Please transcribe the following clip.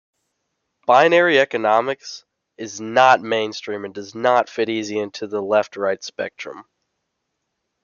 Binary economics is not mainstream and does not fit easy into the left-right spectrum.